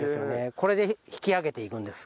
これで引き上げていくんです。